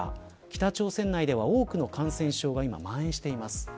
北朝鮮内では多くの感染症がまん延しています。